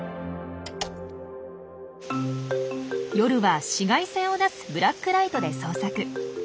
夜は紫外線を出すブラックライトで捜索。